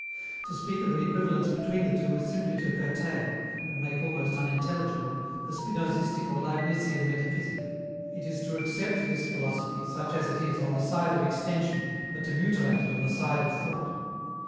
To speak of an equivalence between the two is simply to curtail, and make almost unintelligible, the Spinozistic or Leibnizian metaphysic. It is to accept this philosophy, such as it is, on the side of Extension, but to mutilate it on the side of Thought.